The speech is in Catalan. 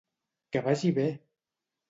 Que vagi bé!